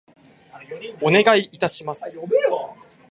お願い致します。